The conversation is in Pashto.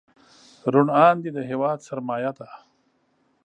روڼ اندي د هېواد سرمایه ده.